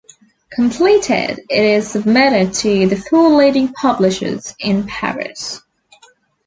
Completed, it is submitted to the four leading publishers in Paris.